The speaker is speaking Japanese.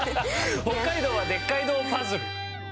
北海道はでっかいどうパズル。